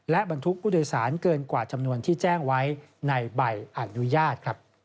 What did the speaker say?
และบรรทุกผู้โดยสารเกินกว่าจำนวนที่แจ้งไว้ในใบอนุญาต